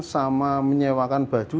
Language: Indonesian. sama menyewakan baju